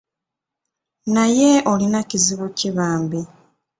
Naye olina kizibu ki bambi?”